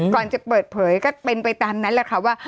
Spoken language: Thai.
ก่อนจะเปิดเผยก็เป็นไปตามนั้นแหละค่ะว่า